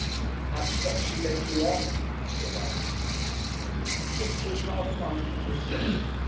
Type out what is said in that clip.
"I expect she led you on," said Ann. Kipps was half minded to assent.